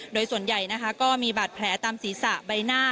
โดยส่วนใหญ่นะคะก็มีบาดแผลตามศีรษะใบหน้า